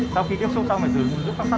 sau khi tiếp xúc xong phải dừng